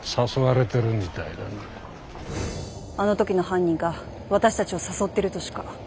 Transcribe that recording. あの時の犯人が私たちを誘ってるとしか。